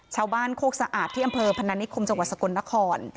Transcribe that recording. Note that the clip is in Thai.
โคกสะอาดที่อำเภอพนานิคมจังหวัดสกลนคร